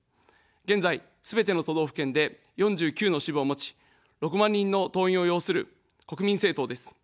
現在、すべての都道府県で４９の支部を持ち、６万人の党員を擁する国民政党です。